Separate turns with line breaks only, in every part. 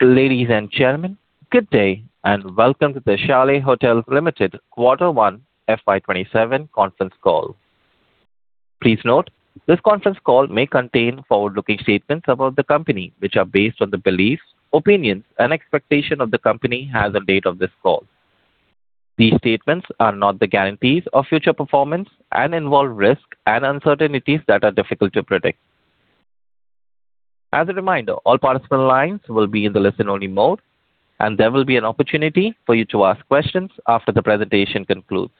Ladies and gentlemen, good day, and welcome to the Chalet Hotels Limited Quarter 1 fiscal year 2027 conference call. Please note, this conference call may contain forward-looking statements about the company, which are based on the beliefs, opinions, and expectation of the company as of date of this call. These statements are not the guarantees of future performance and involve risk and uncertainties that are difficult to predict. As a reminder, all participant lines will be in the listen-only mode, and there will be an opportunity for you to ask questions after the presentation concludes.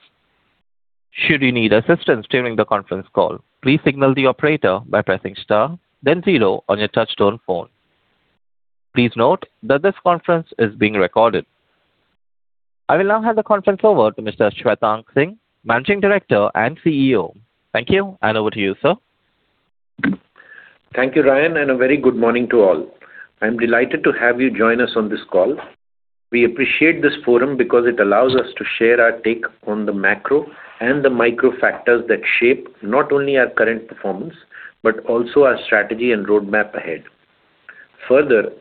Should you need assistance during the conference call, please signal the operator by pressing star then zero on your touch-tone phone. Please note that this conference is being recorded. I will now hand the conference over to Mr. Shwetank Singh, Managing Director and Chief Executive Officer. Thank you, and over to you, sir.
Thank you, Ryan, and a very good morning to all. I'm delighted to have you join us on this call. We appreciate this forum because it allows us to share our take on the macro and the micro factors that shape not only our current performance, but also our strategy and roadmap ahead.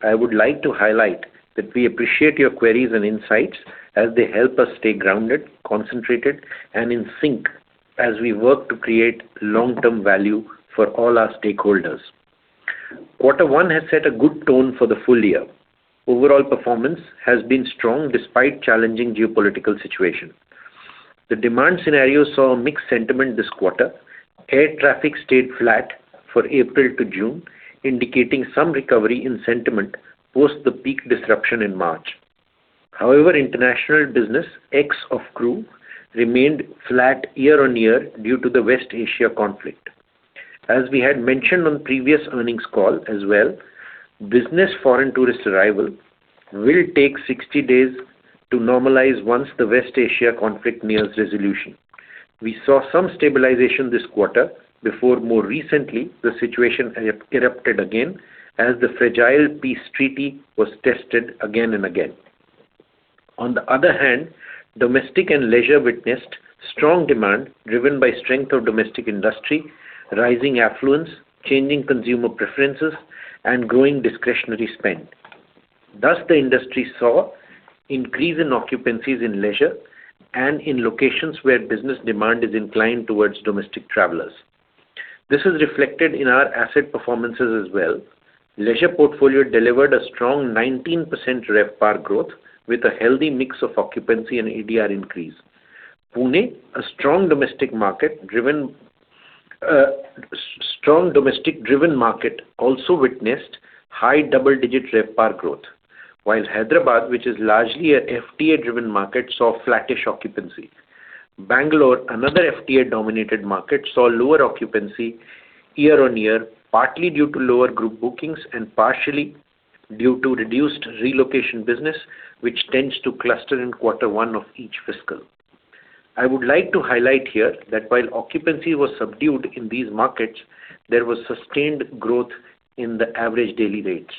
I would like to highlight that we appreciate your queries and insights as they help us stay grounded, concentrated, and in sync as we work to create long-term value for all our stakeholders. Quarter one has set a good tone for the full year. Overall performance has been strong despite challenging geopolitical situation. The demand scenario saw a mixed sentiment this quarter. Air traffic stayed flat for April to June, indicating some recovery in sentiment post the peak disruption in March. International business ex of crew remained flat year-on-year due to the West Asia conflict. As we had mentioned on previous earnings call as well, business Foreign Tourist Arrival will take 60 days to normalize once the West Asia conflict nears resolution. We saw some stabilization this quarter before more recently the situation erupted again as the fragile peace treaty was tested again and again. Domestic and leisure witnessed strong demand driven by strength of domestic industry, rising affluence, changing consumer preferences, and growing discretionary spend. The industry saw increase in occupancies in leisure and in locations where business demand is inclined towards domestic travelers. This is reflected in our asset performances as well. Leisure portfolio delivered a strong 19% RevPAR growth with a healthy mix of occupancy and ADR increase. Pune, a strong domestic driven market, also witnessed high double-digit RevPAR growth. Hyderabad, which is largely a FTA-driven market, saw flattish occupancy. Bangalore, another FTA-dominated market, saw lower occupancy year-on-year, partly due to lower group bookings and partially due to reduced relocation business, which tends to cluster in Quarter one of each fiscal. I would like to highlight here that while occupancy was subdued in these markets, there was sustained growth in the average daily rates.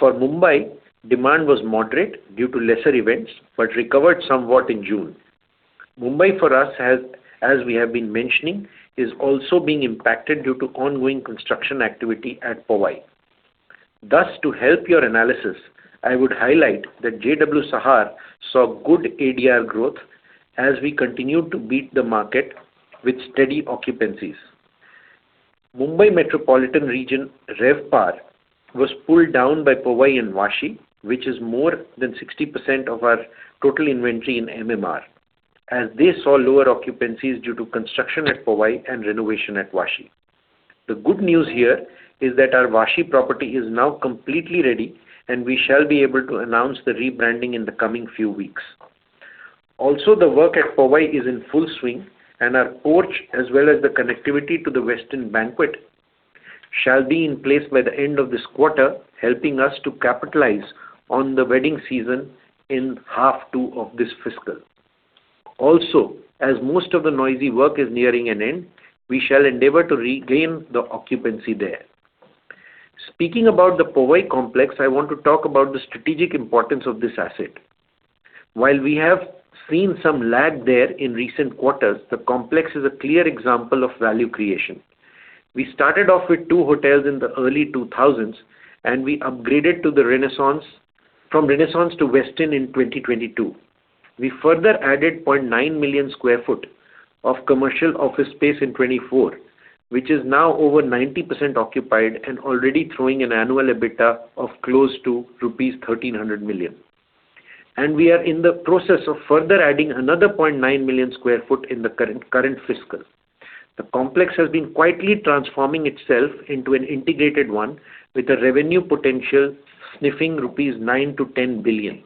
Mumbai, demand was moderate due to lesser events but recovered somewhat in June. Mumbai, for us, as we have been mentioning, is also being impacted due to ongoing construction activity at Powai. To help your analysis, I would highlight that JW Sahar saw good ADR growth as we continued to beat the market with steady occupancies. Mumbai Metropolitan Region RevPAR was pulled down by Powai and Vashi, which is more than 60% of our total inventory in MMR, as they saw lower occupancies due to construction at Powai and renovation at Vashi. The good news here is that our Vashi property is now completely ready, and we shall be able to announce the rebranding in the coming few weeks. The work at Powai is in full swing, and our porch, as well as the connectivity to the Western Banquet, shall be in place by the end of this quarter, helping us to capitalize on the wedding season in half two of this fiscal. As most of the noisy work is nearing an end, we shall endeavor to regain the occupancy there. Speaking about the Powai complex, I want to talk about the strategic importance of this asset. While we have seen some lag there in recent quarters, the complex is a clear example of value creation. We started off with two hotels in the early 2000s, and we upgraded from Renaissance to Westin in 2022. We further added 0.9 million sq ft of commercial office space in 2024, which is now over 90% occupied and already throwing an annual EBITDA of close to rupees 1,300 million. We are in the process of further adding another 0.9 million sq ft in the current fiscal. The complex has been quietly transforming itself into an integrated one with a revenue potential sniffing 9 billion-10 billion rupees.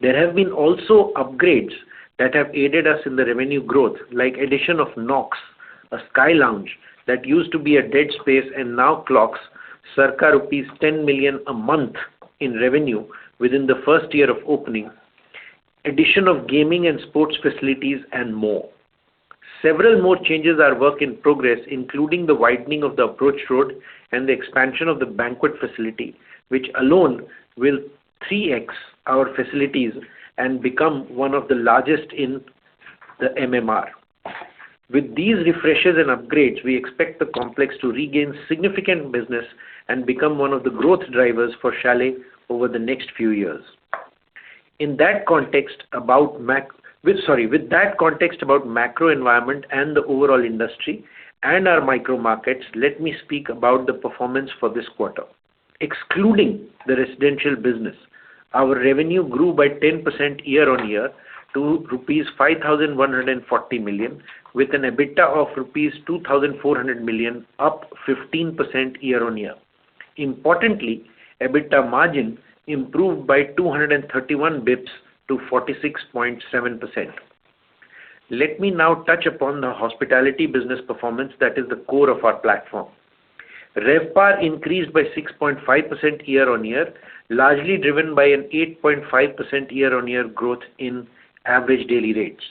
There have been upgrades that have aided us in the revenue growth, like addition of Nox, a sky lounge that used to be a dead space and now clocks circa rupees 10 million a month in revenue within the first year of opening. Addition of gaming and sports facilities, and more. Several more changes are work in progress, including the widening of the approach road and the expansion of the banquet facility, which alone will 3x our facilities and become one of the largest in the MMR. With these refreshes and upgrades, we expect the complex to regain significant business and become one of the growth drivers for Chalet over the next few years. With that context about macro environment and the overall industry and our micro markets, let me speak about the performance for this quarter. Excluding the residential business, our revenue grew by 10% year-on-year to rupees 5,140 million with an EBITDA of rupees 2,400 million, up 15% year-on-year. Importantly, EBITDA margin improved by 231 basis points to 46.7%. Let me now touch upon the hospitality business performance that is the core of our platform. RevPAR increased by 6.5% year-on-year, largely driven by an 8.5% year-on-year growth in average daily rates.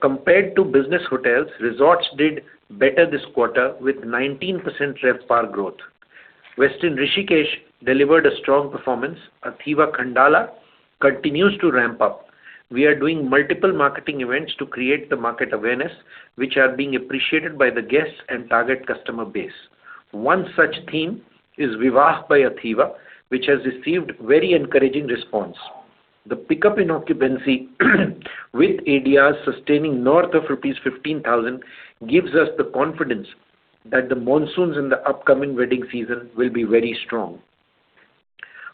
Compared to business hotels, resorts did better this quarter with 19% RevPAR growth. Westin Rishikesh delivered a strong performance. Athiva Khandala continues to ramp up. We are doing multiple marketing events to create the market awareness, which are being appreciated by the guests and target customer base. One such theme is Vivaah by Athiva, which has received very encouraging response. The pickup in occupancy with ADR sustaining north of rupees 15,000 gives us the confidence that the monsoons in the upcoming wedding season will be very strong.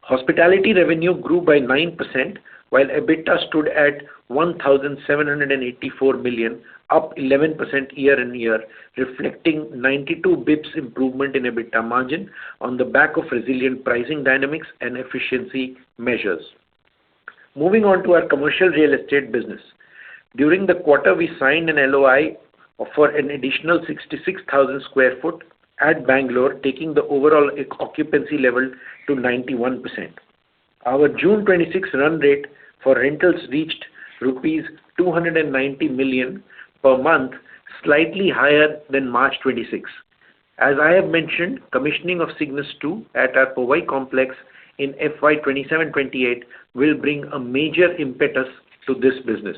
Hospitality revenue grew by 9%, while EBITDA stood at 1,784 million, up 11% year-on-year, reflecting 92 basis points improvement in EBITDA margin on the back of resilient pricing dynamics and efficiency measures. Moving on to our commercial real estate business. During the quarter, we signed an LOI for an additional 66,000 sq ft at Bangalore, taking the overall occupancy level to 91%. Our June 2026 run rate for rentals reached rupees 290 million per month, slightly higher than March 2026. As I have mentioned, commissioning of Cignus Tower II at our Powai complex in fiscal year 2027, 2028 will bring a major impetus to this business.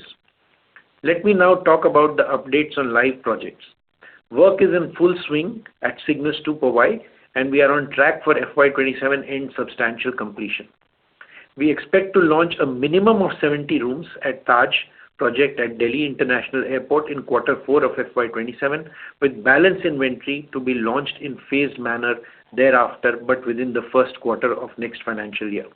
Let me now talk about the updates on live projects. Work is in full swing at Cignus Tower II, Powai, and we are on track for fiscal year 2027 end substantial completion. We expect to launch a minimum of 70 rooms at Taj project at Delhi International Airport in quarter four of fiscal year 2027, with balance inventory to be launched in phased manner thereafter, but within the first quarter of next financial year.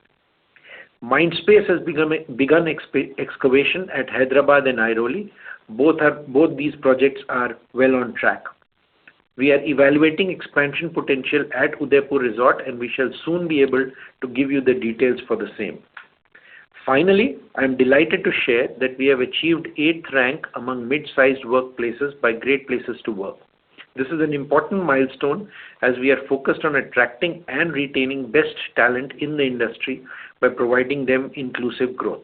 Mindspace has begun excavation at Hyderabad and Airoli. Both these projects are well on track. We are evaluating expansion potential at Inder Residency Resort & Spa, Udaipur, and we shall soon be able to give you the details for the same. Finally, I am delighted to share that we have achieved eighth rank among mid-sized workplaces by Great Place to Work. This is an important milestone as we are focused on attracting and retaining best talent in the industry by providing them inclusive growth.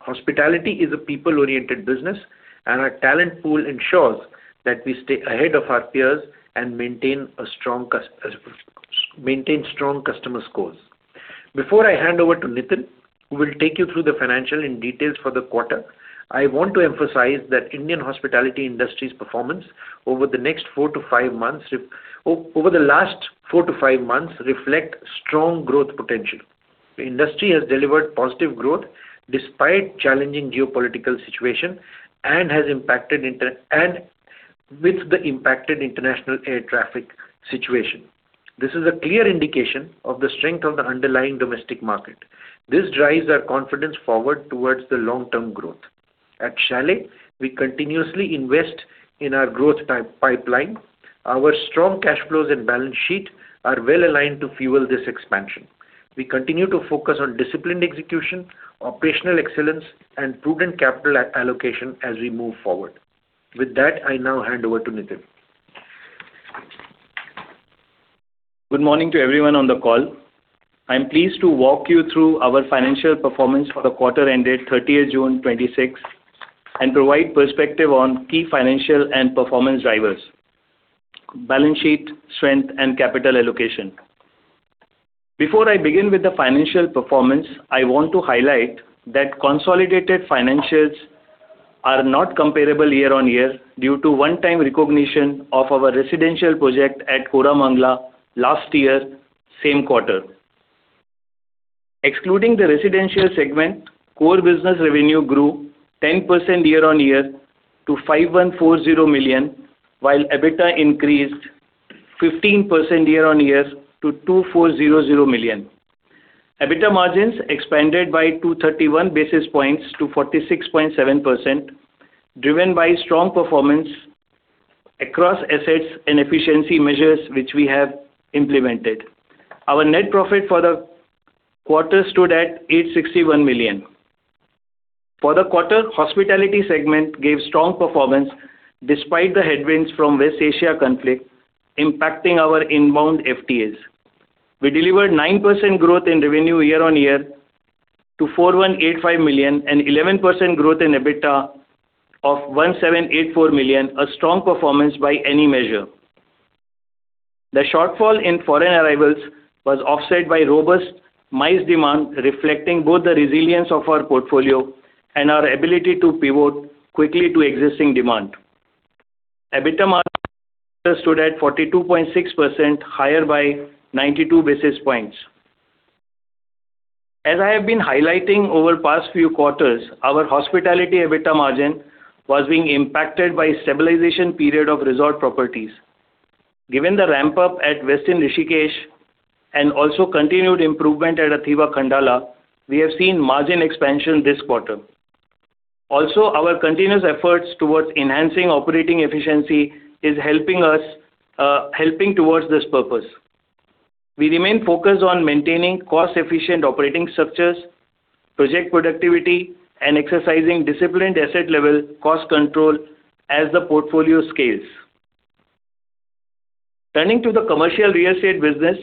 Hospitality is a people-oriented business. Our talent pool ensures that we stay ahead of our peers and maintain strong customer scores. Before I hand over to Nitin, who will take you through the financial in details for the quarter, I want to emphasize that Indian hospitality industry's performance over the last four to five months reflect strong growth potential. The industry has delivered positive growth despite challenging geopolitical situation and with the impacted international air traffic situation. This is a clear indication of the strength of the underlying domestic market. This drives our confidence forward towards the long-term growth. At Chalet, we continuously invest in our growth pipeline. Our strong cash flows and balance sheet are well-aligned to fuel this expansion. We continue to focus on disciplined execution, operational excellence, and prudent capital allocation as we move forward. With that, I now hand over to Nitin.
Good morning to everyone on the call. I'm pleased to walk you through our financial performance for the quarter ended June 30th, 2026 and provide perspective on key financial and performance drivers, balance sheet strength, and capital allocation. Before I begin with the financial performance, I want to highlight that consolidated financials are not comparable year-on-year due to one-time recognition of our residential project at Koramangala last year, same quarter. Excluding the residential segment, core business revenue grew 10% year-on-year to 5,140 million while EBITDA increased 15% year-on-year to 2,400 million. EBITDA margins expanded by 231 basis points to 46.7%, driven by strong performance across assets and efficiency measures, which we have implemented. Our net profit for the quarter stood at 861 million. For the quarter, hospitality segment gave strong performance despite the headwinds from West Asia conflict impacting our inbound FTAs. We delivered 9% growth in revenue year-on-year to 4,185 million and 11% growth in EBITDA of 1,784 million, a strong performance by any measure. The shortfall in foreign arrivals was offset by robust MICE demand, reflecting both the resilience of our portfolio and our ability to pivot quickly to existing demand. EBITDA margin stood at 42.6%, higher by 92 basis points. As I have been highlighting over the past few quarters, our hospitality EBITDA margin was being impacted by stabilization period of resort properties. Given the ramp-up at Westin Rishikesh and continued improvement at Athiva Khandala, we have seen margin expansion this quarter. Our continuous efforts towards enhancing operating efficiency is helping towards this purpose. We remain focused on maintaining cost-efficient operating structures, project productivity, and exercising disciplined asset-level cost control as the portfolio scales. Turning to the commercial real estate business,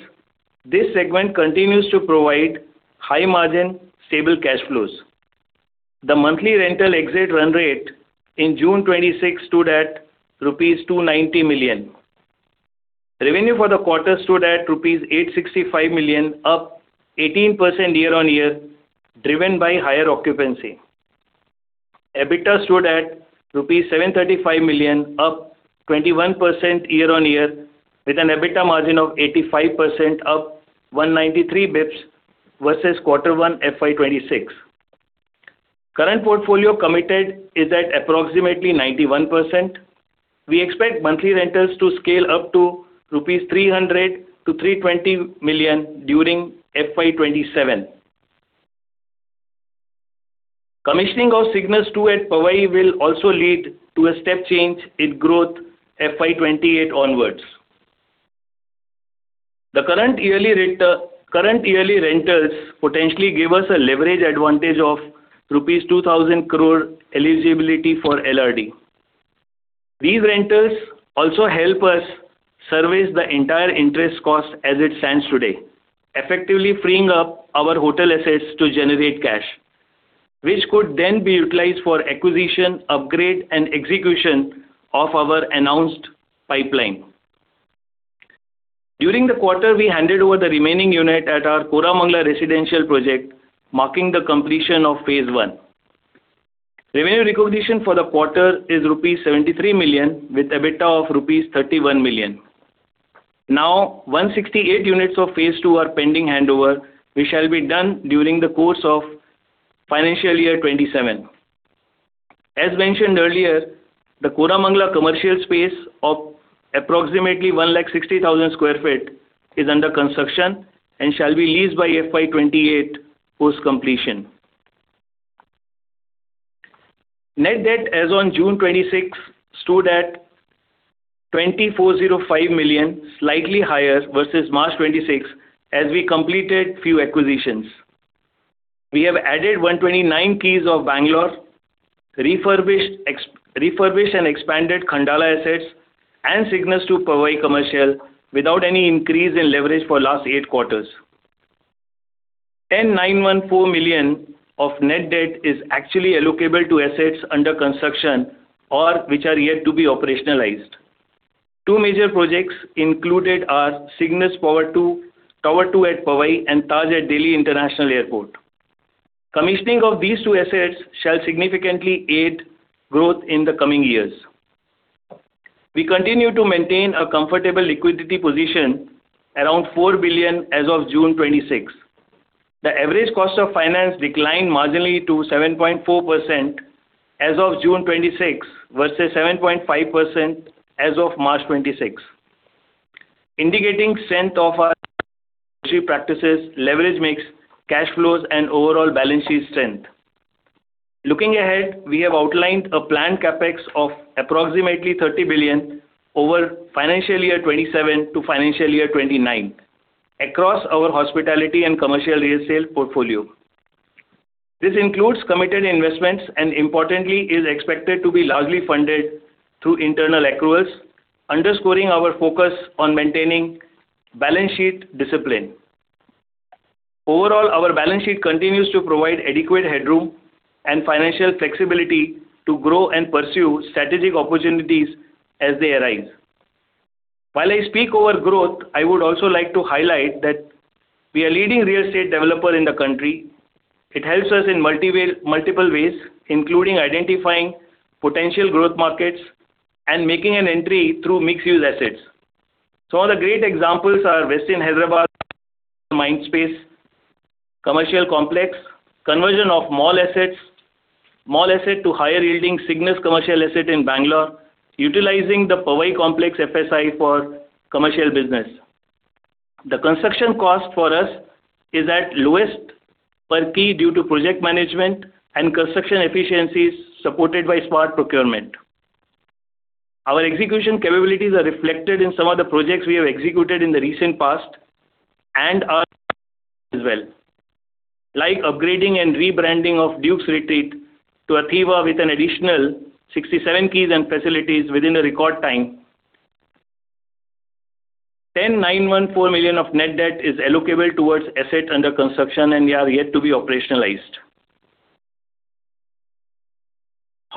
this segment continues to provide high-margin, stable cash flows. The monthly rental exit run rate in June 2026 stood at rupees 290 million. Revenue for the quarter stood at rupees 865 million, up 18% year-on-year, driven by higher occupancy. EBITDA stood at rupees 735 million, up 21% year-on-year, with an EBITDA margin of 85%, up 193 basis points versus Q1 fiscal year 2026. Current portfolio committed is at approximately 91%. We expect monthly rentals to scale up to 300 million-320 million rupees during fiscal year 2027. Commissioning of Cignus II at Powai will also lead to a step change in growth fiscal year 2028 onwards. The current yearly rentals potentially give us a leverage advantage of rupees 2,000 crore eligibility for LRD. These rentals also help us service the entire interest cost as it stands today, effectively freeing up our hotel assets to generate cash, which could then be utilized for acquisition, upgrade, and execution of our announced pipeline. During the quarter, we handed over the remaining unit at our Koramangala residential project, marking the completion of phase I. Revenue recognition for the quarter is rupees 73 million with EBITDA of rupees 31 million. 168 units of phase II are pending handover, which shall be done during the course of financial year 2027. As mentioned earlier, the Koramangala commercial space of approximately 160,000 sq ft is under construction and shall be leased by fiscal year 2028, post-completion. Net debt as on June 2026 stood at 2,405 million, slightly higher versus March 2026 as we completed a few acquisitions. We have added 129 keys of Bangalore, refurbished and expanded Khandala assets, and Cignus to Powai commercial without any increase in leverage for the last eight quarters. 10,914 million of net debt is actually allocable to assets under construction or which are yet to be operationalized. Two major projects included are Cignus Tower 2 at Powai and Taj at Delhi International Airport. Commissioning of these two assets shall significantly aid growth in the coming years. We continue to maintain a comfortable liquidity position around 4 billion as of June 2026. The average cost of finance declined marginally to 7.4% as of June 2026 versus 7.5% as of March 2026, indicating strength of our practices, leverage mix, cash flows, and overall balance sheet strength. Looking ahead, we have outlined a planned CapEx of approximately 30 billion over fiscal year 2027-fiscal year 2029 across our hospitality and commercial real estate portfolio. This includes committed investments, importantly, is expected to be largely funded through internal accruals, underscoring our focus on maintaining balance sheet discipline. Overall, our balance sheet continues to provide adequate headroom and financial flexibility to grow and pursue strategic opportunities as they arise. While I speak over growth, I would also like to highlight that we are a leading real estate developer in the country. It helps us in multiple ways, including identifiscal yearing potential growth markets and making an entry through mixed-use assets. Some of the great examples are The Westin Hyderabad Mindspace commercial complex, conversion of mall asset to higher-yielding CIGNUS Whitefield Bangalore commercial asset in Bangalore, utilizing the Powai complex FSI for commercial business. The construction cost for us is at the lowest per key due to project management and construction efficiencies supported by smart procurement. Our execution capabilities are reflected in some of the projects we have executed in the recent past and are as well, like upgrading and rebranding of The Dukes Retreat to Athiva with an additional 67 keys and facilities within a record time. 10,914 million of net debt is allocable towards assets under construction and are yet to be operationalized.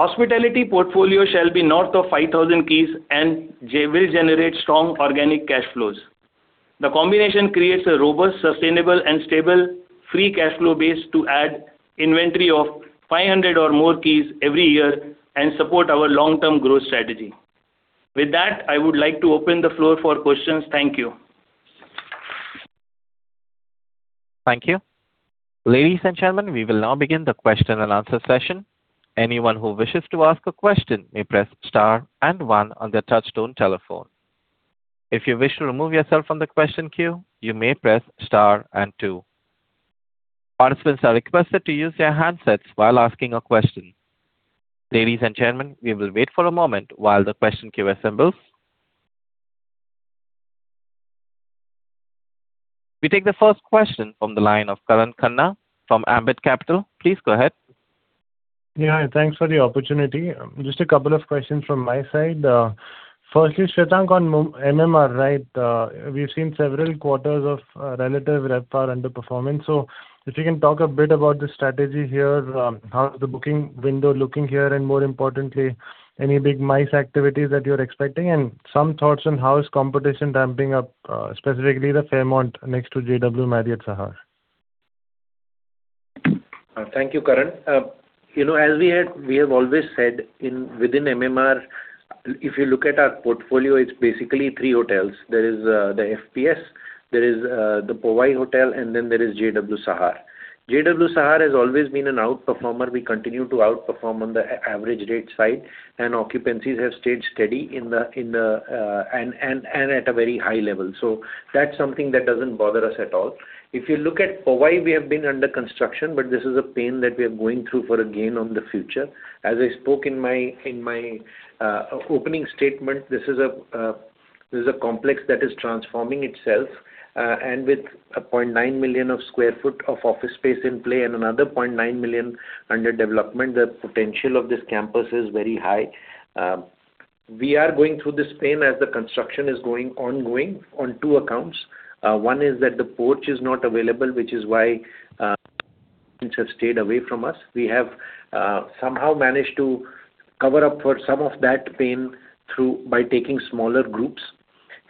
Hospitality portfolio shall be north of 5,000 keys and will generate strong organic cash flows. The combination creates a robust, sustainable and stable free cash flow base to add inventory of 500 or more keys every year and support our long-term growth strategy. With that, I would like to open the floor for questions. Thank you.
Thank you. Ladies and gentlemen, we will now begin the question-and-answer session. Anyone who wishes to ask a question may press star and one on their touchtone telephone. If you wish to remove yourself from the question queue, you may press star and two. Participants are requested to use their handsets while asking a question. Ladies and gentlemen, we will wait for a moment while the question queue assembles. We take the first question from the line of Karan Khanna from Ambit Capital. Please go ahead.
Thanks for the opportunity. Just a couple of questions from my side. Firstly, Shwetank on MMR, we've seen several quarters of relative RevPAR underperformance. If you can talk a bit about the strategy here, how is the booking window looking here, and more importantly, any big MICE activities that you're expecting, and some thoughts on how is competition ramping up, specifically the Fairmont next to JW Marriott Sahar.
Thank you, Karan. As we have always said, within MMR, if you look at our portfolio, it's basically three hotels. There is the FPS, there is the Powai Hotel, and then there is JW Sahar. JW Sahar has always been an outperformer. We continue to outperform on the average rate side, and occupancies have stayed steady and at a very high level. That's something that doesn't bother us at all. If you look at Powai, we have been under construction, but this is a pain that we are going through for a gain on the future. As I spoke in my opening statement, this is a complex that is transforming itself. With a 0.9 million sq ft of office space in play and another 0.9 million under development, the potential of this campus is very high. We are going through this pain as the construction is ongoing on two accounts. One is that The Porch is not available, which is why have stayed away from us. We have somehow managed to cover up for some of that pain by taking smaller groups.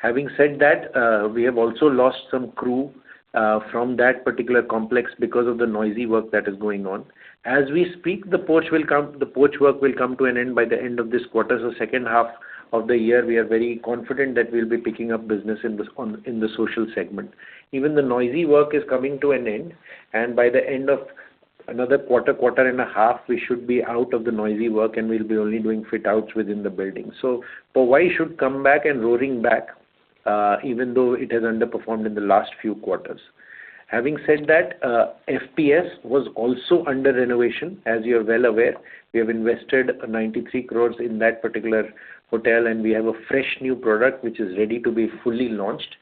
Having said that, we have also lost some crew from that particular complex because of the noisy work that is going on. As we speak, The Porch work will come to an end by the end of this quarter. The second half of the year, we are very confident that we'll be picking up business in the social segment. Even the noisy work is coming to an end, and by the end of another quarter and a half, we should be out of the noisy work, and we'll be only doing fit outs within the building. Powai should come back and roaring back, even though it has underperformed in the last few quarters. Having said that, FPS was also under renovation, as you're well aware. We have invested 93 crore in that particular hotel, we have a fresh new product which is ready to be fully launched.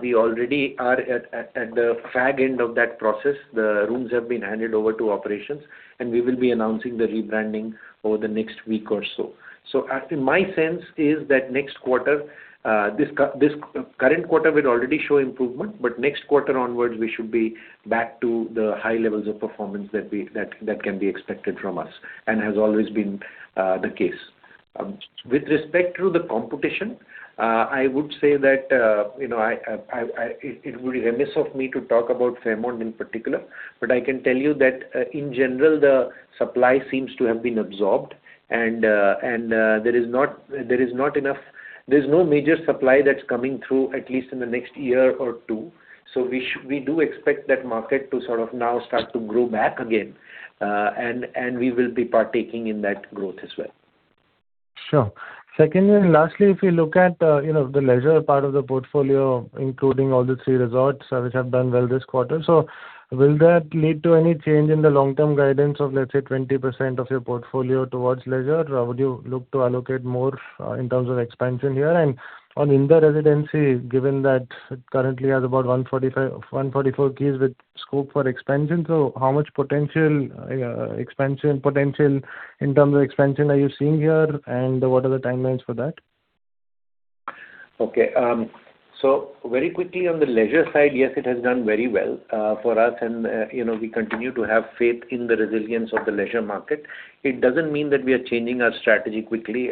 We already are at the fag end of that process. The rooms have been handed over to operations, we will be announcing the rebranding over the next week or so. My sense is that next quarter, this current quarter will already show improvement, but next quarter onwards, we should be back to the high levels of performance that can be expected from us and has always been the case. With respect to the competition, I would say that it would be remiss of me to talk about Fairmont in particular. I can tell you that in general, the supply seems to have been absorbed, and there's no major supply that's coming through, at least in the next year or two. We do expect that market to sort of now start to grow back again, and we will be partaking in that growth as well.
Sure. Secondly, and lastly, if you look at the leisure part of the portfolio, including all the three resorts, which have done well this quarter. Will that lead to any change in the long-term guidance of, let's say, 20% of your portfolio towards leisure? Would you look to allocate more in terms of expansion here? And on Inder Residency, given that it currently has about 144 keys with scope for expansion. How much expansion potential in terms of expansion are you seeing here, and what are the timelines for that?
Okay. Very quickly on the leisure side, yes, it has done very well for us, and we continue to have faith in the resilience of the leisure market. It doesn't mean that we are changing our strategy quickly.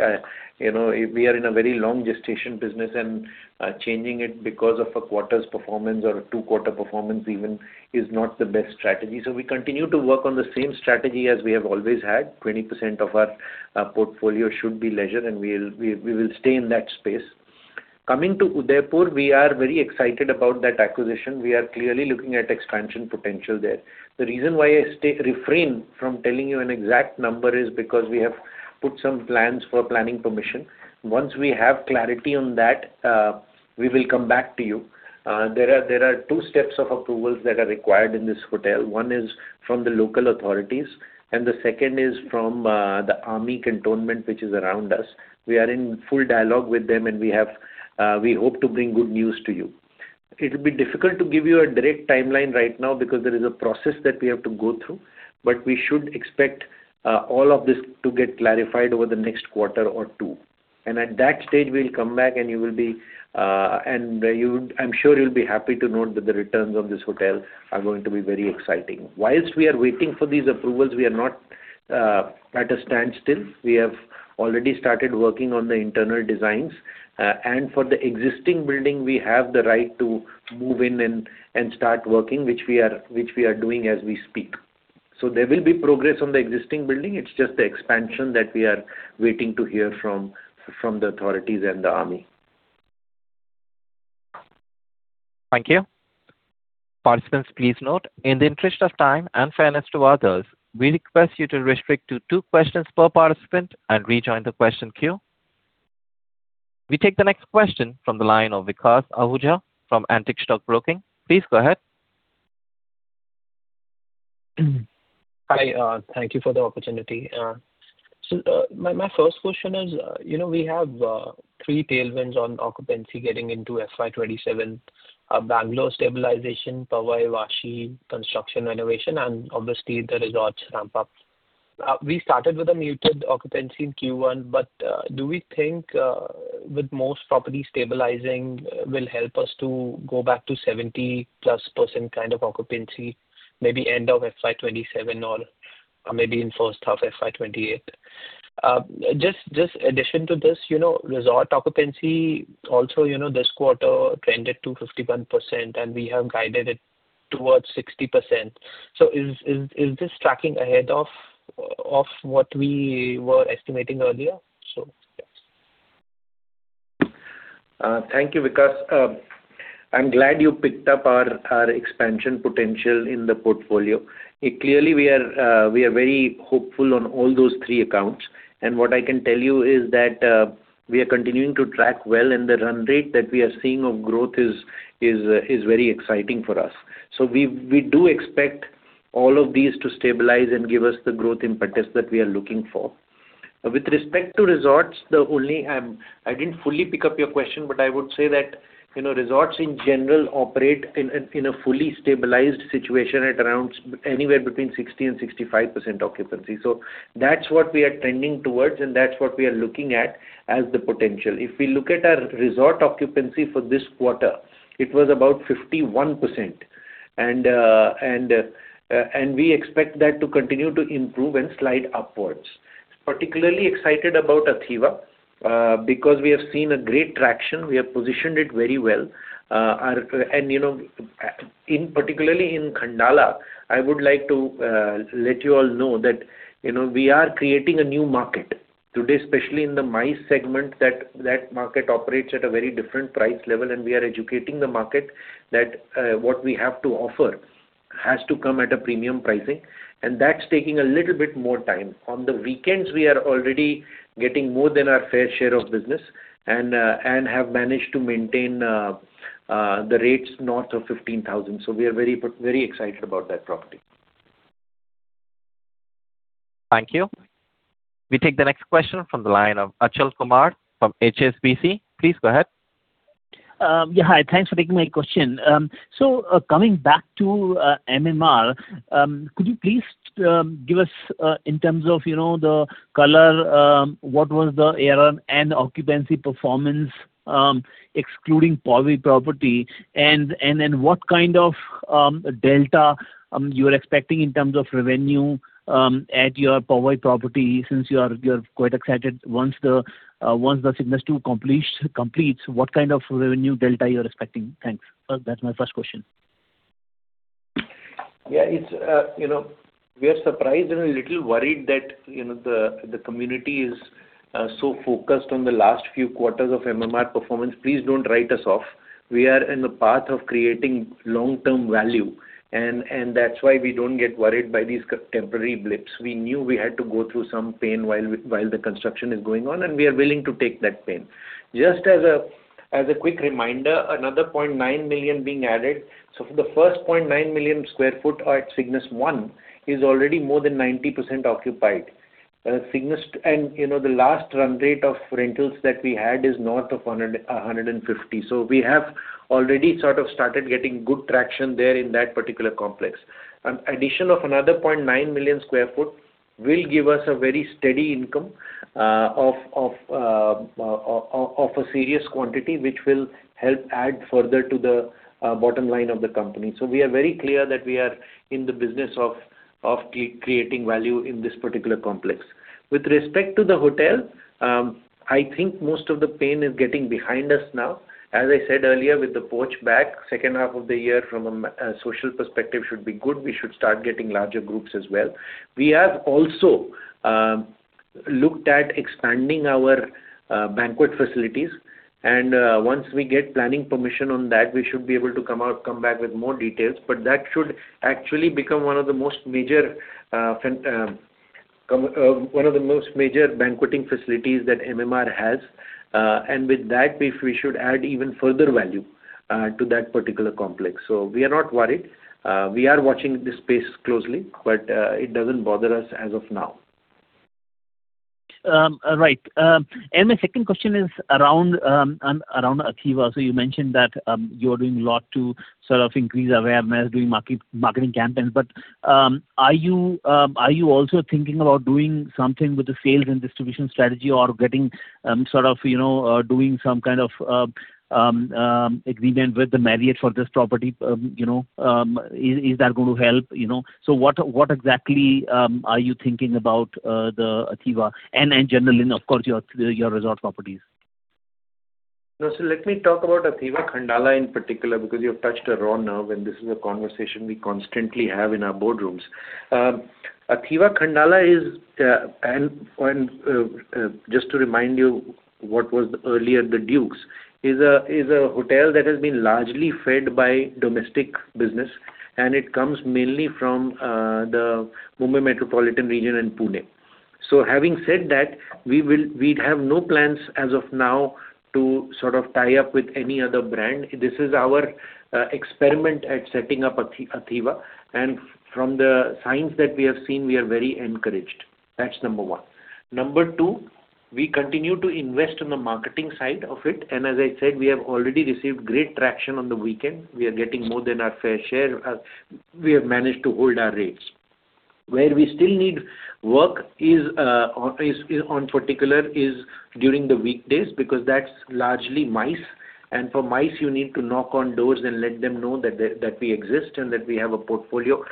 We are in a very long gestation business, and changing it because of a quarter's performance or a two-quarter performance even is not the best strategy. We continue to work on the same strategy as we have always had. 20% of our portfolio should be leisure, and we will stay in that space. Coming to Udaipur, we are very excited about that acquisition. We are clearly looking at expansion potential there. The reason why I refrain from telling you an exact number is because we have put some plans for planning permission. Once we have clarity on that, we will come back to you. There are two steps of approvals that are required in this hotel. One is from the local authorities, and the second is from the army cantonment, which is around us. We are in full dialogue with them, and we hope to bring good news to you. It will be difficult to give you a direct timeline right now because there is a process that we have to go through, but we should expect all of this to get clarified over the next quarter or two. At that stage, we'll come back, and I'm sure you'll be happy to note that the returns on this hotel are going to be very exciting. Whilst we are waiting for these approvals, we are not at a standstill. We have already started working on the internal designs. For the existing building, we have the right to move in and start working, which we are doing as we speak. There will be progress on the existing building. It's just the expansion that we are waiting to hear from the authorities and the army.
Thank you. Participants, please note, in the interest of time and fairness to others, we request you to restrict to two questions per participant and rejoin the question queue. We take the next question from the line of Vikas Ahuja from Antique Stock Broking. Please go ahead.
Hi. Thank you for the opportunity. My first question is, we have three tailwinds on occupancy getting into fiscal year 2027. Bangalore stabilization, Powai, Vashi construction renovation, and obviously the resorts ramp-up. We started with a muted occupancy in Q1, but do we think with most properties stabilizing will help us to go back to 70%+ kind of occupancy maybe end of fiscal year 2027 or maybe in first half fiscal year 2028? Just addition to this, resort occupancy also this quarter trended to 51%, and we have guided it towards 60%. Is this tracking ahead of what we were estimating earlier? Yes.
Thank you, Vikas. I'm glad you picked up our expansion potential in the portfolio. Clearly, we are very hopeful on all those three accounts. What I can tell you is that we are continuing to track well, and the run rate that we are seeing of growth is very exciting for us. We do expect all of these to stabilize and give us the growth impetus that we are looking for. With respect to resorts, I didn't fully pick up your question, but I would say that resorts in general operate in a fully stabilized situation at anywhere between 60%-65% occupancy. That's what we are trending towards, and that's what we are looking at as the potential. If we look at our resort occupancy for this quarter, it was about 51%. We expect that to continue to improve and slide upwards. Particularly excited about Athiva, because we have seen a great traction. We have positioned it very well. Particularly in Khandala, I would like to let you all know that we are creating a new market. Today, especially in the MICE segment, that market operates at a very different price level, we are educating the market that what we have to offer has to come at a premium pricing, that's taking a little bit more time. On the weekends, we are already getting more than our fair share of business, have managed to maintain the rates north of 15,000. We are very excited about that property.
Thank you. We take the next question from the line of Achal Kumar from HSBC. Please go ahead.
Hi. Thanks for taking my question. Coming back to MMR, could you please give us in terms of the color, what was the ARR and occupancy performance, excluding Powai property, then what kind of delta you are expecting in terms of revenue at your Powai property since you are quite excited once the Cignus II completes, what kind of revenue delta you are expecting? Thanks. That's my first question.
We are surprised a little worried that the community is so focused on the last few quarters of MMR performance. Please don't write us off. We are in the path of creating long-term value, that's why we don't get worried by these temporary blips. We knew we had to go through some pain while the construction is going on, we are willing to take that pain. Just as a quick reminder, another 0.9 million sq ft being added. For the first 0.9 million sq ft at Cignus I is already more than 90% occupied. The last run rate of rentals that we had is north of 150. We have already sort of started getting good traction there in that particular complex. An addition of another 0.9 million sq ft will give us a very steady income of a serious quantity, which will help add further to the bottom line of the company. We are very clear that we are in the business of creating value in this particular complex. With respect to the hotel, I think most of the pain is getting behind us now. As I said earlier, with The Poach back, second half of the year from a social perspective should be good. We should start getting larger groups as well. We have also looked at expanding our banquet facilities, and once we get planning permission on that, we should be able to come back with more details. That should actually become one of the most major banqueting facilities that MMR has. With that, we should add even further value to that particular complex. We are not worried. We are watching this space closely, it doesn't bother us as of now.
Right. My second question is around Athiva. You mentioned that you're doing a lot to sort of increase awareness, doing marketing campaigns. Are you also thinking about doing something with the sales and distribution strategy or doing some kind of agreement with the Marriott for this property? Is that going to help? What exactly are you thinking about the Athiva and generally, of course, your resort properties?
No. Let me talk about Athiva Khandala in particular, because you have touched a raw nerve, this is a conversation we constantly have in our boardrooms. Athiva Khandala is, just to remind you what was earlier The Dukes, is a hotel that has been largely fed by domestic business, it comes mainly from the Mumbai Metropolitan region and Pune. Having said that, we have no plans as of now to sort of tie up with any other brand. This is our experiment at setting up Athiva. From the signs that we have seen, we are very encouraged. That's number one. Number two, we continue to invest in the marketing side of it. As I said, we have already received great traction on the weekend. We are getting more than our fair share. We have managed to hold our rates. Where we still need work in particular is during the weekdays because that's largely MICE. For MICE, you need to knock on doors and let them know that we exist and that we have a portfolio,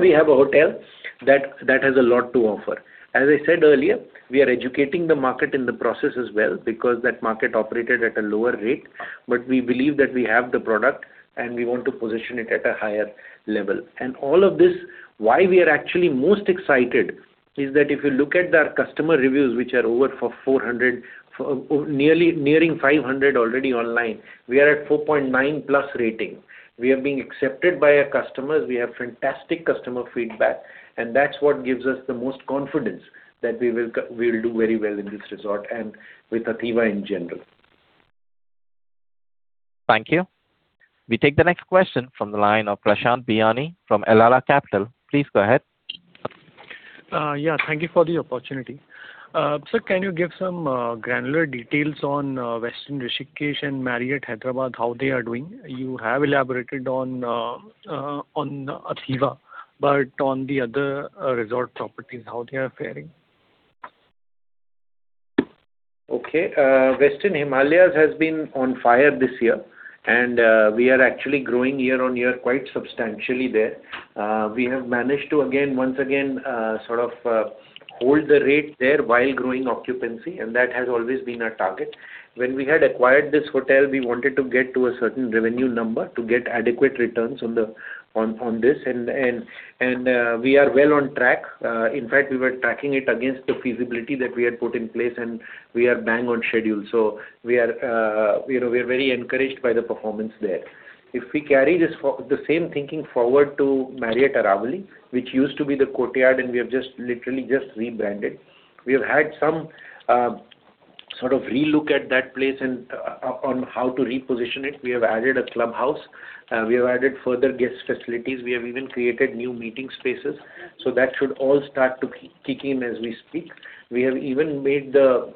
we have a hotel that has a lot to offer. As I said earlier, we are educating the market in the process as well because that market operated at a lower rate. We believe that we have the product, and we want to position it at a higher level. All of this, why we are actually most excited is that if you look at our customer reviews, which are over 400 reviews, nearing 500 reviews already online. We are at 4.9+ rating. We are being accepted by our customers. We have fantastic customer feedback, and that's what gives us the most confidence that we'll do very well in this resort and with Athiva in general.
Thank you. We take the next question from the line of Prashant Bhayani from Elara Capital. Please go ahead.
Thank you for the opportunity. Sir, can you give some granular details on Westin Rishikesh and Marriott Hyderabad, how they are doing? You have elaborated on Athiva, on the other resort properties, how they are faring?
Okay. The Westin Himalayas has been on fire this year, we are actually growing year-on-year quite substantially there. We have managed to, once again, sort of hold the rate there while growing occupancy, and that has always been our target. When we had acquired this hotel, we wanted to get to a certain revenue number to get adequate returns on this, and we are well on track. In fact, we were tracking it against the feasibility that we had put in place, and we are bang on schedule. We are very encouraged by the performance there. If we carry the same thinking forward to Marriott Aravali, which used to be the Courtyard, and we have literally just rebranded. We have had some sort of relook at that place on how to reposition it. We have added a clubhouse. We have added further guest facilities. We have even created new meeting spaces. That should all start to kick in as we speak. We have even made the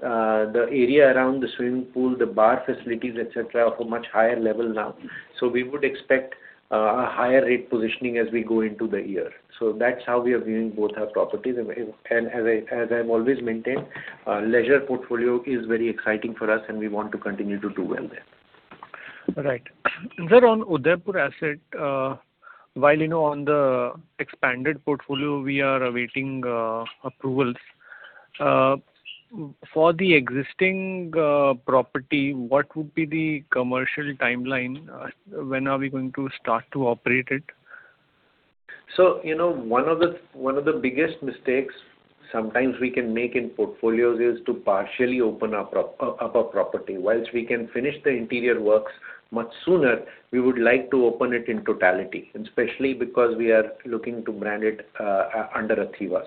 area around the swimming pool, the bar facilities, et cetera, of a much higher level now. We would expect a higher rate positioning as we go into the year. That's how we are viewing both our properties. As I've always maintained, leisure portfolio is very exciting for us, and we want to continue to do well there.
Right. Sir, on Udaipur asset, while on the expanded portfolio, we are awaiting approvals. For the existing property, what would be the commercial timeline? When are we going to start to operate it?
One of the biggest mistakes sometimes we can make in portfolios is to partially open up a property. Whilst we can finish the interior works much sooner, we would like to open it in totality, especially because we are looking to brand it under Athiva.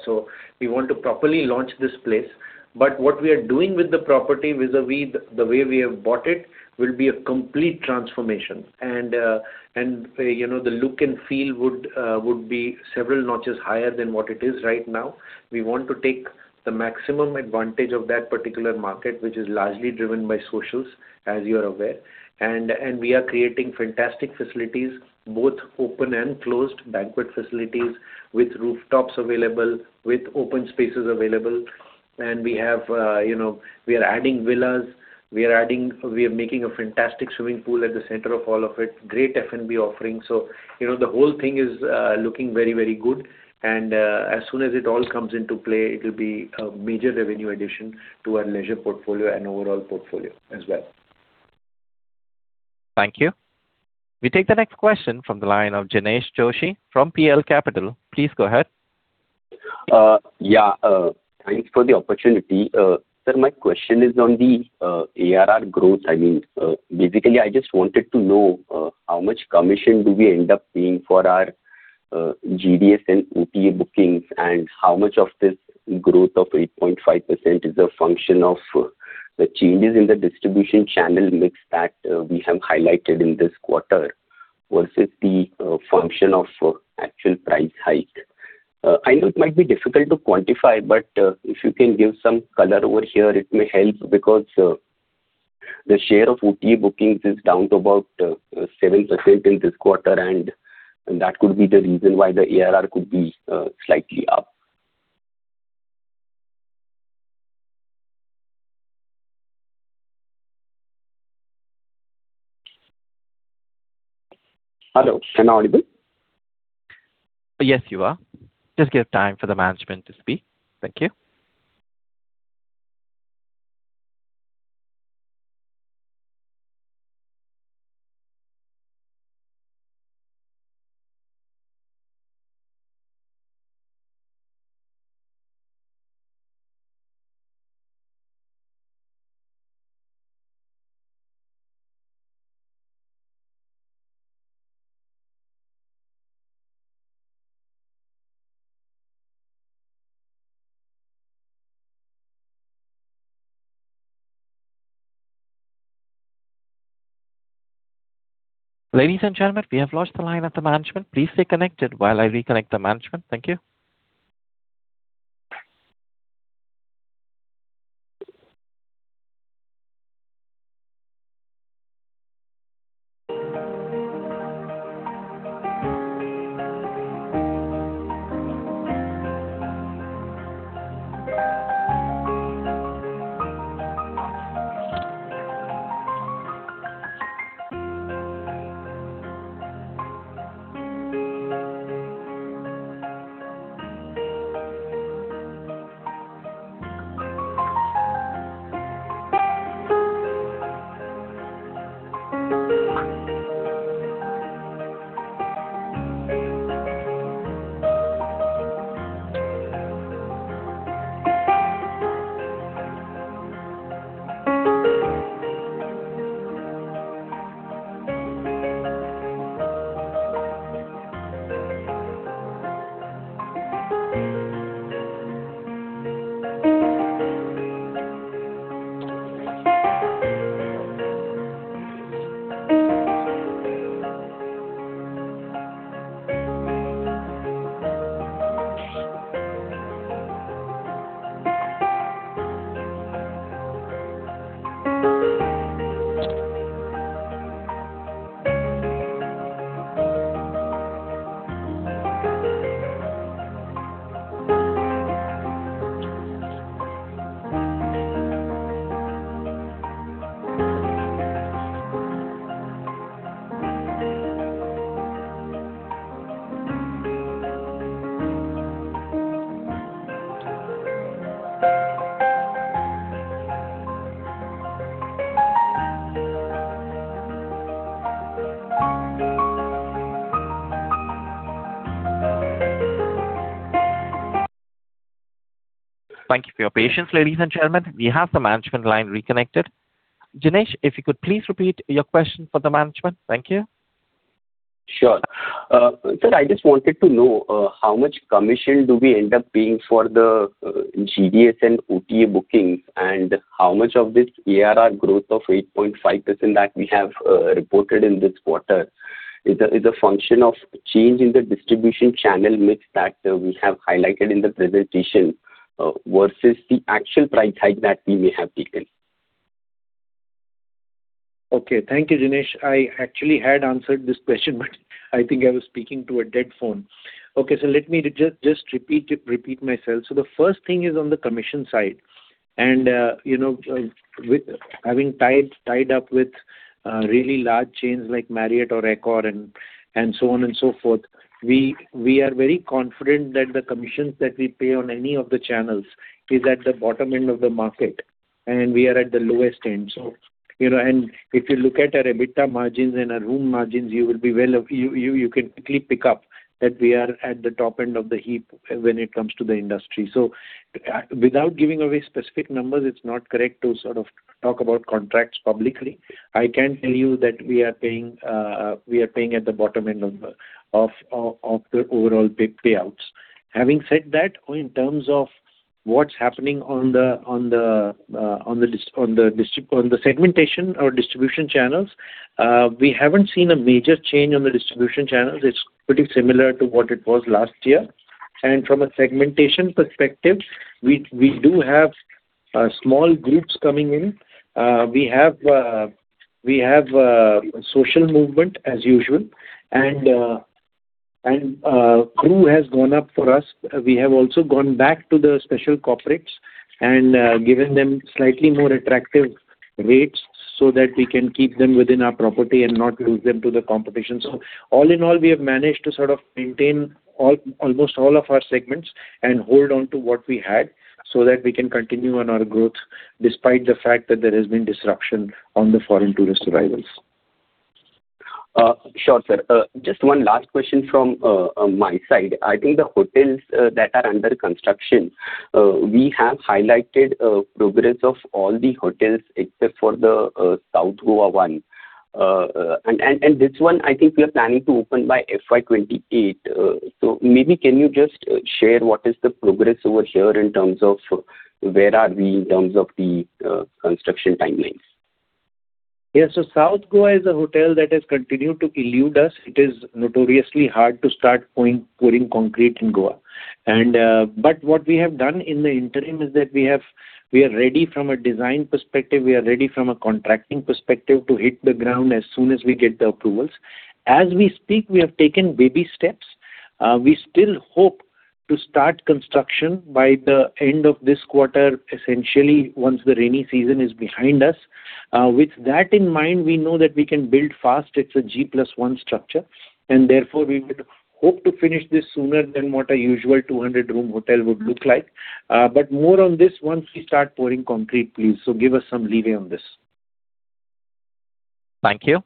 We want to properly launch this place. What we are doing with the property vis-a-vis the way we have bought it will be a complete transformation, and the look and feel would be several notches higher than what it is right now. We want to take the maximum advantage of that particular market, which is largely driven by socials, as you are aware. We are creating fantastic facilities, both open and closed banquet facilities with rooftops available, with open spaces available. We are adding villas. We are making a fantastic swimming pool at the center of all of it. Great F&B offering. The whole thing is looking very good. As soon as it all comes into play, it will be a major revenue addition to our leisure portfolio and overall portfolio as well.
Thank you. We take the next question from the line of Jinesh Joshi from PL Capital. Please go ahead.
Yeah. Thanks for the opportunity. Sir, my question is on the ARR growth. Basically, I just wanted to know how much commission do we end up paying for our GDS and OTA bookings, and how much of this growth of 8.5% is a function of the changes in the distribution channel mix that we have highlighted in this quarter? Versus the function of actual price hike. I know it might be difficult to quantify but if you can give some color over here, it may help because the share of OTA bookings is down to about 7% in this quarter, and that could be the reason why the ARR could be slightly up. Hello, am I audible?
Yes, you are. Just give time for the management to speak. Thank you. Ladies and gentlemen, we have lost the line of the management. Please stay connected while I reconnect the management. Thank you. Thank you for your patience, ladies and gentlemen. We have the management line reconnected. Jinesh, if you could please repeat your question for the management. Thank you.
Sure. Sir, I just wanted to know how much commission do we end up paying for the GDS and OTA bookings, and how much of this ARR growth of 8.5% that we have reported in this quarter is a function of change in the distribution channel mix that we have highlighted in the presentation versus the actual price hike that we may have taken?
Okay. Thank you, Jinesh. I actually had answered this question, but I think I was speaking to a dead phone. Okay, let me just repeat myself. The first thing is on the commission side. Having tied up with really large chains like Marriott or Accor and so on and so forth, we are very confident that the commissions that we pay on any of the channels is at the bottom end of the market, and we are at the lowest end. If you look at our EBITDA margins and our room margins, you can quickly pick up that we are at the top end of the heap when it comes to the industry. Without giving away specific numbers, it's not correct to talk about contracts publicly. I can tell you that we are paying at the bottom end of the overall payouts. Having said that, in terms of what's happening on the segmentation or distribution channels, we haven't seen a major change on the distribution channels. It's pretty similar to what it was last year. From a segmentation perspective, we do have small groups coming in. We have a social movement as usual, and crew has gone up for us. We have also gone back to the special corporates and given them slightly more attractive rates so that we can keep them within our property and not lose them to the competition. All in all, we have managed to maintain almost all of our segments and hold on to what we had so that we can continue on our growth despite the fact that there has been disruption on the Foreign Tourist Arrivals.
Sure, sir. Just one last question from my side. I think the hotels that are under construction, we have highlighted progress of all the hotels except for the South Goa one. This one, I think we are planning to open by fiscal year 2028. Maybe can you just share what is the progress over here in terms of where are we in terms of the construction timeline?
Yes. South Goa is a hotel that has continued to elude us. It is notoriously hard to start pouring concrete in Goa. What we have done in the interim is that we are ready from a design perspective, we are ready from a contracting perspective to hit the ground as soon as we get the approvals. As we speak, we have taken baby steps. We still hope to start construction by the end of this quarter, essentially once the rainy season is behind us. With that in mind, we know that we can build fast. It's a G+1 structure, and therefore we would hope to finish this sooner than what a usual 200-room hotel would look like. More on this once we start pouring concrete, please. Give us some leeway on this.
Thank you.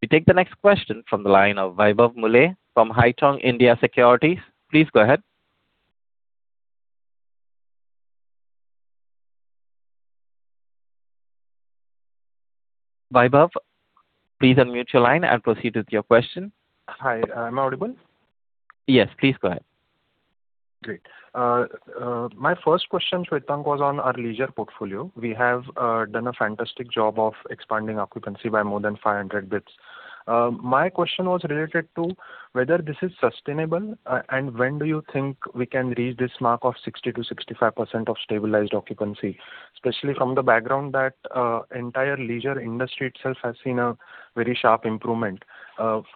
We take the next question from the line of Vaibhav Muley from Haitong Securities India. Please go ahead. Vaibhav, please unmute your line and proceed with your question.
Hi. Am I audible?
Yes, please go ahead.
Great. My first question, Shwetank, was on our leisure portfolio. We have done a fantastic job of expanding occupancy by more than 500 basis points. My question was related to whether this is sustainable, and when do you think we can reach this mark of 60%-65% of stabilized occupancy? Especially from the background that entire leisure industry itself has seen a very sharp improvement,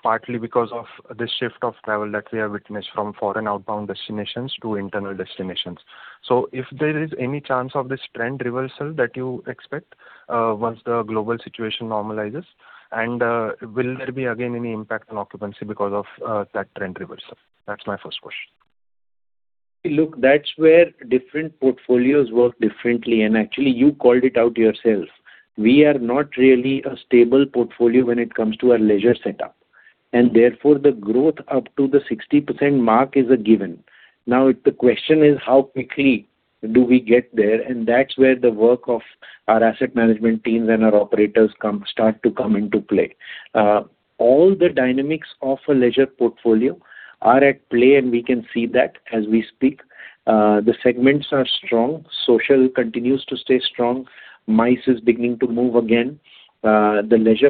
partly because of the shift of travel that we have witnessed from foreign outbound destinations to internal destinations. If there is any chance of this trend reversal that you expect once the global situation normalizes, and will there be again any impact on occupancy because of that trend reversal? That's my first question.
Look, that's where different portfolios work differently, actually you called it out yourself. We are not really a stable portfolio when it comes to our leisure setup, therefore the growth up to the 60% mark is a given. Now, the question is how quickly do we get there? That's where the work of our asset management teams and our operators start to come into play. All the dynamics of a leisure portfolio are at play, we can see that as we speak. The segments are strong. Social continues to stay strong. MICE is beginning to move again. The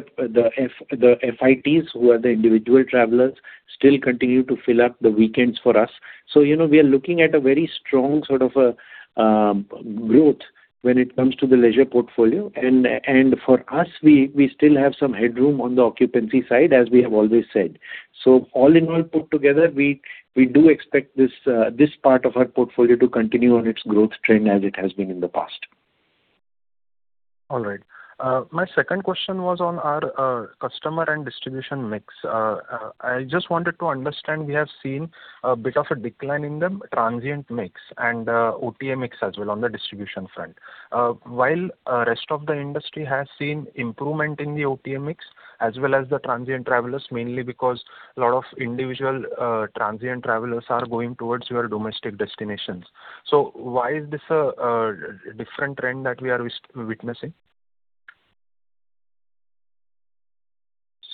FITs, who are the individual travelers, still continue to fill up the weekends for us. We are looking at a very strong sort of growth when it comes to the leisure portfolio. For us, we still have some headroom on the occupancy side, as we have always said. All in all put together, we do expect this part of our portfolio to continue on its growth trend as it has been in the past.
All right. My second question was on our customer and distribution mix. I just wanted to understand, we have seen a bit of a decline in the transient mix and OTA mix as well on the distribution front. While rest of the industry has seen improvement in the OTA mix as well as the transient travelers, mainly because a lot of individual transient travelers are going towards your domestic destinations. Why is this a different trend that we are witnessing?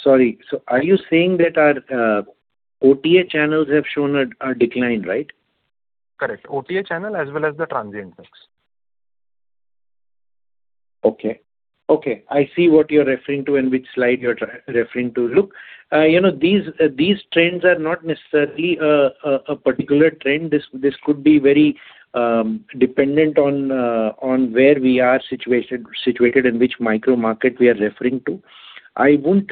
Sorry. Are you saying that our OTA channels have shown a decline, right?
Correct. OTA channel as well as the transient mix.
Okay. I see what you're referring to and which slide you're referring to. These trends are not necessarily a particular trend. This could be very dependent on where we are situated and which micro-market we are referring to. I wouldn't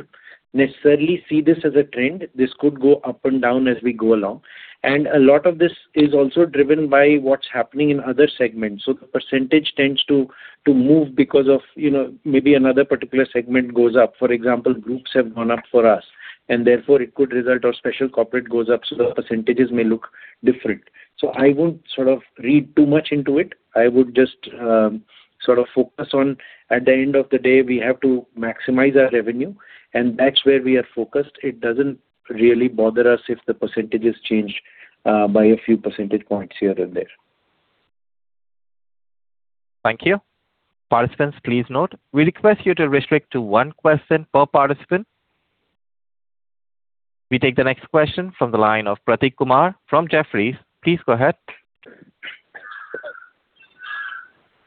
necessarily see this as a trend. This could go up and down as we go along. A lot of this is also driven by what's happening in other segments. The percentage tends to move because of maybe another particular segment goes up. For example, groups have gone up for us, and therefore it could result or special corporate goes up, so the percentages may look different. I won't sort of read too much into it. I would just sort of focus on, at the end of the day, we have to maximize our revenue, and that's where we are focused. It doesn't really bother us if the percentages change by a few percentage points here and there.
Thank you. Participants, please note, we request you to restrict to one question per participant. We take the next question from the line of Prateek Kumar from Jefferies. Please go ahead.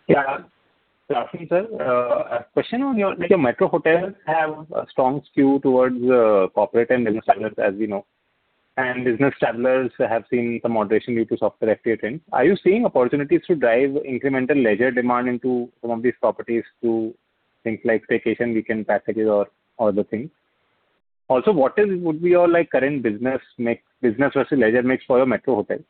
Yeah. Good afternoon, sir. Like your metro hotels have a strong skew towards corporate and business travelers, as we know. Business travelers have seen some moderation due to software FTA trends. Are you seeing opportunities to drive incremental leisure demand into some of these properties to things like staycation weekend packages or other things? Also, what would be your current business versus leisure mix for your metro hotels?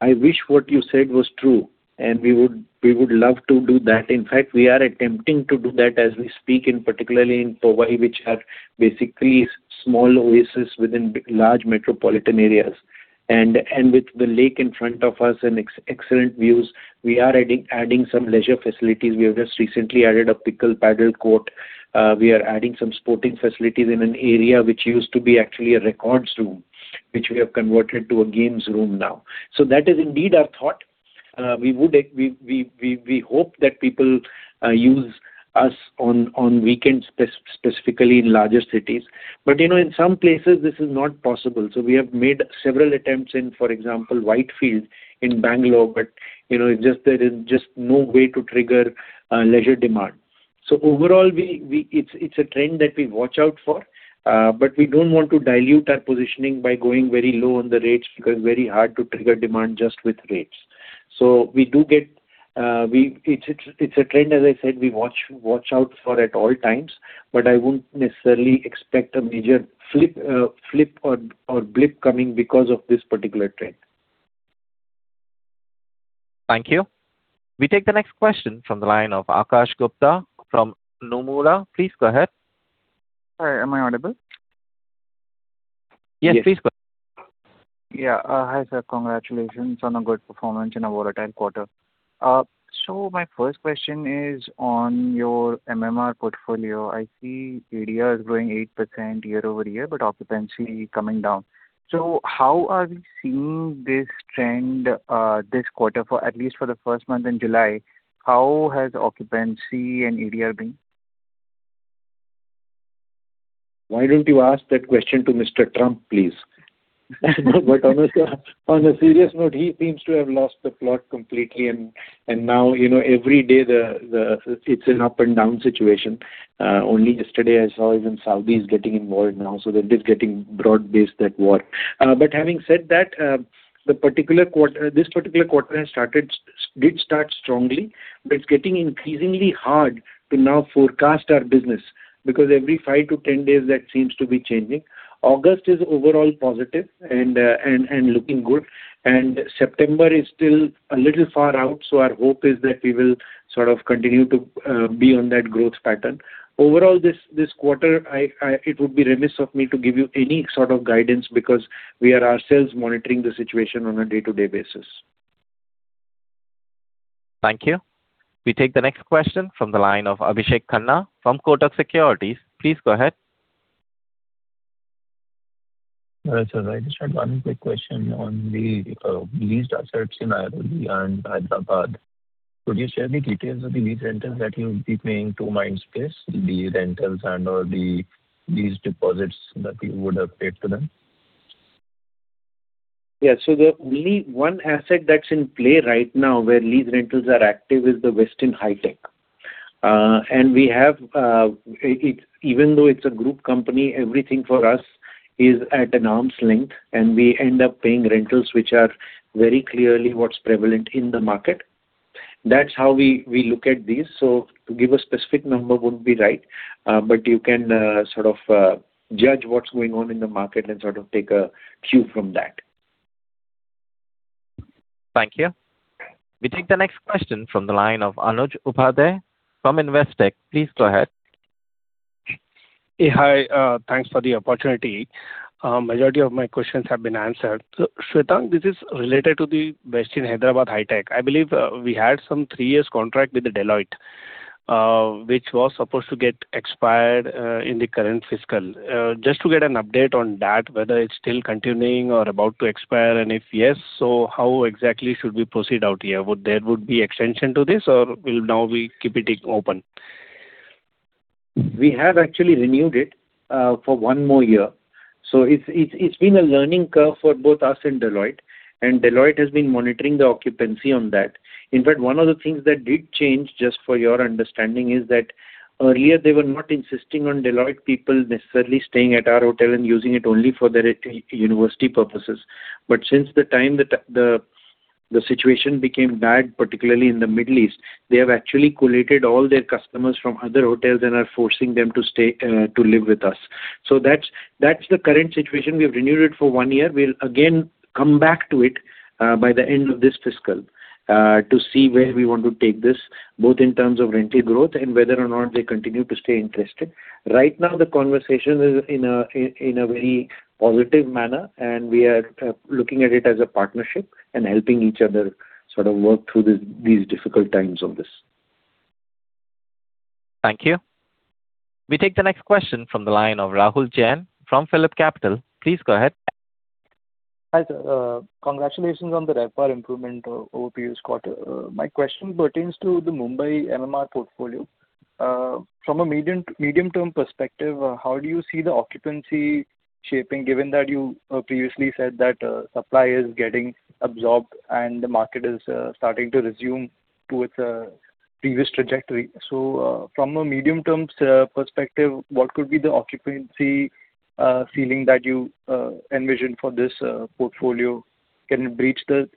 I wish what you said was true, and we would love to do that. In fact, we are attempting to do that as we speak, and particularly in Powai, which are basically small oases within large metropolitan areas. With the lake in front of us and excellent views, we are adding some leisure facilities. We have just recently added a pickleball court. We are adding some sporting facilities in an area which used to be actually a records room, which we have converted to a games room now. That is indeed our thought. We hope that people use us on weekends, specifically in larger cities. In some places, this is not possible. We have made several attempts in, for example, Whitefield in Bangalore, but there is just no way to trigger leisure demand. Overall, it's a trend that we watch out for. We don't want to dilute our positioning by going very low on the rates because very hard to trigger demand just with rates. It's a trend, as I said, we watch out for at all times, but I wouldn't necessarily expect a major flip or blip coming because of this particular trend.
Thank you. We take the next question from the line of Akash Gupta from Nomura. Please go ahead.
Sorry, am I audible?
Yes, please.
Yes. Hi, sir. Congratulations on a good performance in a volatile quarter. My first question is on your MMR portfolio. I see ADR is growing 8% year-over-year, but occupancy coming down. How are we seeing this trend this quarter, for at least for the first month in July? How has occupancy and ADR been?
Why don't you ask that question to Mr. Trump, please? On a serious note, he seems to have lost the plot completely and now, every day it's an up and down situation. Only yesterday I saw even Saudis getting involved now. That is getting broad-based, that war. Having said that, this particular quarter did start strongly, but it's getting increasingly hard to now forecast our business because every 5-10 days that seems to be changing. August is overall positive and looking good, and September is still a little far out, so our hope is that we will sort of continue to be on that growth pattern. Overall, this quarter, it would be remiss of me to give you any sort of guidance because we are ourselves monitoring the situation on a day-to-day basis.
Thank you. We take the next question from the line of Abhishek Khanna from Kotak Securities. Please go ahead.
Hi, sir. I just had one quick question on the leased assets in Airoli and Hyderabad. Could you share the details of the lease rentals that you will be paying to Mindspace, the rentals and/or the lease deposits that you would have paid to them?
Yeah. The only one asset that's in play right now where lease rentals are active is the Westin Hi-Tech. Even though it's a group company, everything for us is at an arm's length, and we end up paying rentals which are very clearly what's prevalent in the market. That's how we look at these. To give a specific number wouldn't be right. You can sort of judge what's going on in the market and sort of take a cue from that.
Thank you. We take the next question from the line of Anuj Upadhyay from Investec. Please go ahead.
Hi. Thanks for the opportunity. Majority of my questions have been answered. Shwetank, this is related to The Westin Hyderabad Hitec City. I believe we had some three years contract with Deloitte, which was supposed to get expired in the current fiscal. Just to get an update on that, whether it's still continuing or about to expire, and if yes, how exactly should we proceed out here? There would be extension to this, or will now we keep it open?
We have actually renewed it for one more year. It's been a learning curve for both us and Deloitte, and Deloitte has been monitoring the occupancy on that. In fact, one of the things that did change, just for your understanding, is that earlier they were not insisting on Deloitte people necessarily staying at our hotel and using it only for their university purposes. Since the time the situation became bad, particularly in the Middle East, they have actually collated all their customers from other hotels and are forcing them to live with us. That's the current situation. We've renewed it for one year. We'll again come back to it by the end of this fiscal to see where we want to take this, both in terms of rental growth and whether or not they continue to stay interested. Right now, the conversation is in a very positive manner, and we are looking at it as a partnership and helping each other sort of work through these difficult times of this.
Thank you. We take the next question from the line of Rahul Jain from PhillipCapital. Please go ahead.
Hi, sir. Congratulations on the RevPAR improvement over this quarter. My question pertains to the Mumbai MMR portfolio. From a medium-term perspective, how do you see the occupancy shaping, given that you previously said that supply is getting absorbed and the market is starting to resume to its previous trajectory? From a medium-term perspective, what could be the occupancy ceiling that you envision for this portfolio? Can it breach the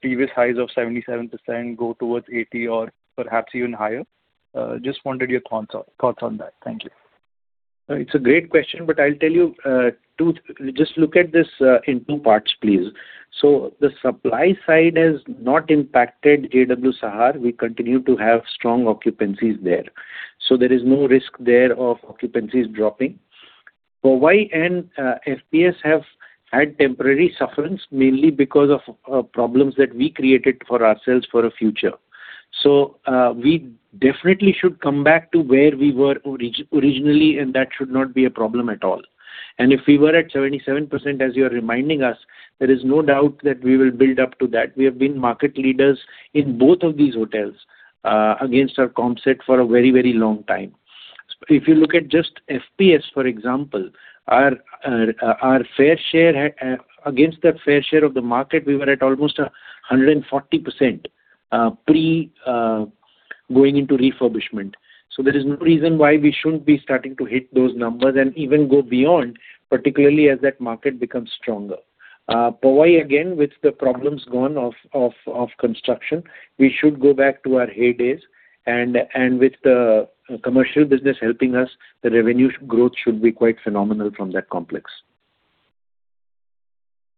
previous highs of 77%, go towards 80% or perhaps even higher? Just wanted your thoughts on that. Thank you.
It's a great question, but I'll tell you, just look at this in two parts, please. The supply side has not impacted JW Sahar. We continue to have strong occupancies there. There is no risk there of occupancies dropping. FPS have had temporary sufferance, mainly because of problems that we created for ourselves for the future. We definitely should come back to where we were originally, and that should not be a problem at all. If we were at 77%, as you're reminding us, there is no doubt that we will build up to that. We have been market leaders in both of these hotels. Against our comp set for a very long time. If you look at just FPS, for example, against that fair share of the market, we were at almost 140% pre going into refurbishment. There is no reason why we shouldn't be starting to hit those numbers and even go beyond, particularly as that market becomes stronger. Powai, again, with the problems gone of construction, we should go back to our heydays. With the commercial business helping us, the revenue growth should be quite phenomenal from that complex.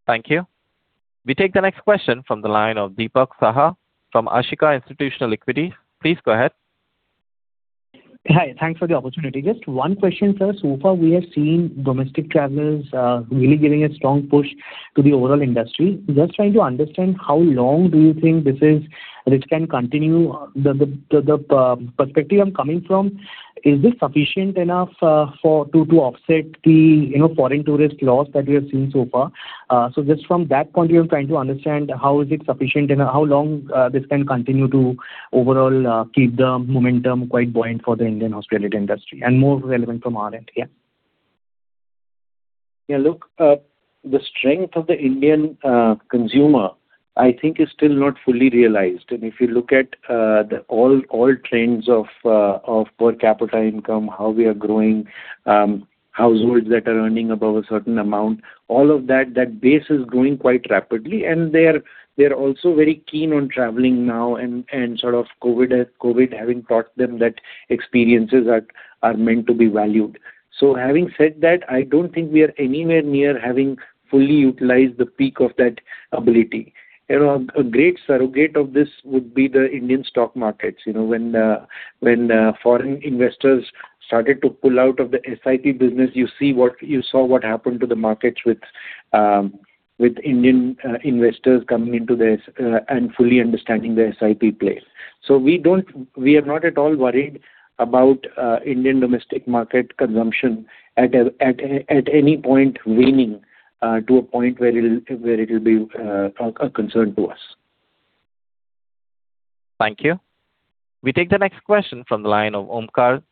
Thank you. We take the next question from the line of Dipak Saha from Ashika Institutional Equity. Please go ahead.
Hi. Thanks for the opportunity. Just one question, sir. Far we have seen domestic travelers really giving a strong push to the overall industry. Just trying to understand how long do you think this can continue? The perspective I'm coming from, is this sufficient enough to offset the foreign tourist loss that we have seen so far? Just from that point of view, I'm trying to understand how is it sufficient and how long this can continue to overall keep the momentum quite buoyant for the Indian hospitality industry, and more relevant from our end here.
Yeah. Look, the strength of the Indian consumer, I think is still not fully realized. If you look at all trends of per capita income, how we are growing, households that are earning above a certain amount, all of that base is growing quite rapidly. They are also very keen on traveling now and sort of COVID having taught them that experiences are meant to be valued. Having said that, I don't think we are anywhere near having fully utilized the peak of that ability. A great surrogate of this would be the Indian stock markets. When foreign investors started to pull out of the SIP business, you saw what happened to the markets with Indian investors coming into this and fully understanding the SIP play. We are not at all worried about Indian domestic market consumption at any point waning to a point where it'll be a concern to us.
Thank you. We take the next question from the line of Omkar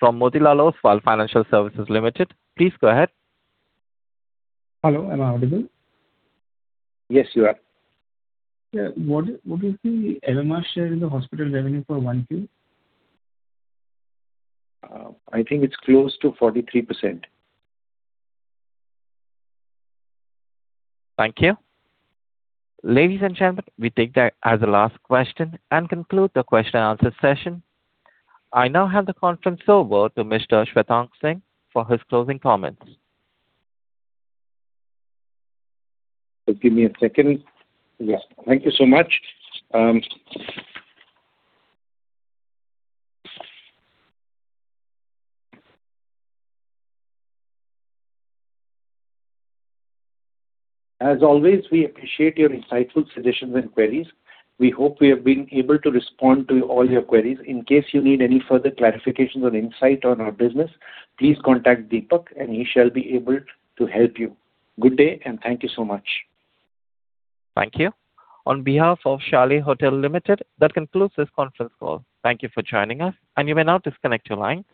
from Motilal Oswal Financial Services Limited. Please go ahead.
Hello, am I audible?
Yes, you are.
What is the Elema share in the hospitality revenue for one Q?
I think it's close to 43%.
Thank you. Ladies and gentlemen, we take that as the last question and conclude the question-and-answer session. I now hand the conference over to Mr. Shwetank Singh for his closing comments.
Give me a second. Yeah. Thank you so much. As always, we appreciate your insightful suggestions and queries. We hope we have been able to respond to all your queries. In case you need any further clarifications or insight on our business, please contact Deepak and he shall be able to help you. Good day, and thank you so much.
Thank you. On behalf of Chalet Hotels Limited, that concludes this conference call. Thank you for joining us, and you may now disconnect your lines.